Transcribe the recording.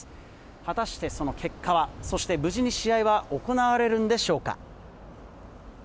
果たしてその結果は、そして無事に試合は行われるんでしょうか。